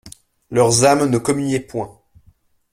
Leurs âmes ne communiaient point.